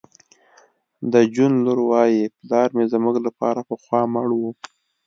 د جون لور وایی پلار مې زموږ لپاره پخوا مړ و